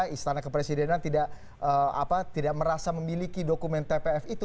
istana kepresidenan tidak merasa memiliki dokumen tpf itu